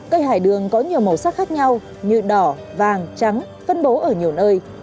cây hải đường có nhiều màu sắc khác nhau như đỏ vàng trắng phân bố ở nhiều nơi